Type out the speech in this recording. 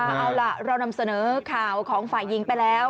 เอาล่ะเรานำเสนอข่าวของฝ่ายหญิงไปแล้ว